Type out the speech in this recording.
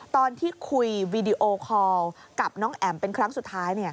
ตอนที่คุยวีดีโอคอลกับน้องแอ๋มเป็นครั้งสุดท้าย